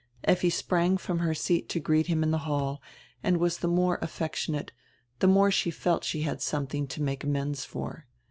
Effi sprang from her seat to greet him in die hall and was die more affectionate, die more she felt she had somediing to make amends for.